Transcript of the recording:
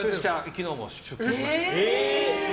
昨日も出勤しました。